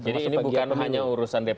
jadi ini bukan hanya urusan dpr